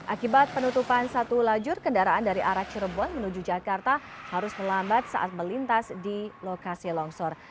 akibat penutupan satu lajur kendaraan dari arah cirebon menuju jakarta harus melambat saat melintas di lokasi longsor